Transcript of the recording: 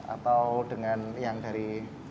atau dengan yang dari